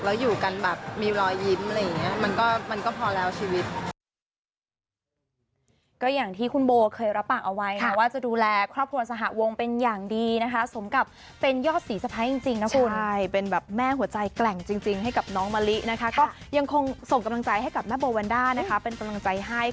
แล้วอยู่กันแบบมีรอยยิ้มอะไรอย่างนี้มันก็พอแล้วชีวิต